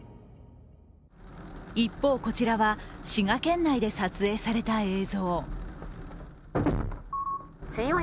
一方、こちらは滋賀県内で撮影された映像。